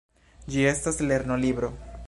Ĝi estas lernolibro.